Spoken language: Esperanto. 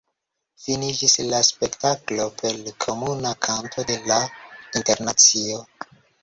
Finiĝis la spektaklo per komuna kanto de "la Internacio".